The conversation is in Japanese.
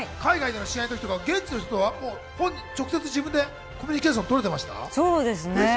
愛さんとかは海外の試合の時、現地の人とは直接自分でコミュニケーション取れてました？